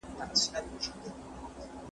صبر او استقامت په دې لاره کې اړین دی.